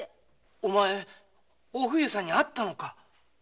お前お冬さんに会ったのか？